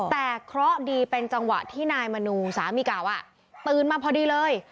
แต่เคราะห์ดีเป็นจังหวะที่นายมนูสามีเก่าตื่นมาพอดีเลย